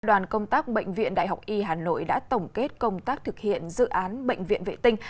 đoàn công tác bệnh viện đại học y hà nội đã tổng kết công tác thực hiện dự án bệnh viện vệ tinh